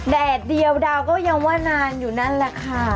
แดดเดียวดาวก็ยังว่านานอยู่นั่นแหละค่ะ